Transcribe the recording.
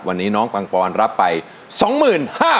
วันนี้น้องปังปอนรับไป๒๐๐๐๐บาทนะครับ